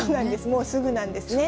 もうすぐなんですね。